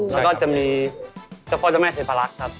แล้วก็จะมีเจ้าพ่อเจ้าแม่เทพารักษ์ครับ